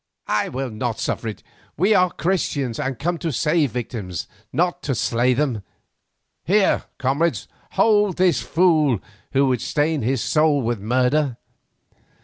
I will not suffer it. We are Christians and come to save victims, not to slay them. Here, comrades, hold this fool who would stain his soul with murder."